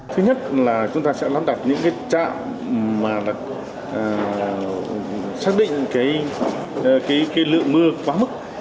thứ nhất là chúng ta sẽ làm đặt những cái chạm mà là xác định cái lượng mưa quá mức